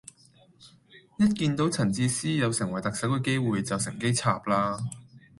一見到陳智思有成為特首嘅機會就乘機插啦